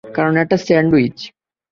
কারণ, এটা স্যান্ডউইচ!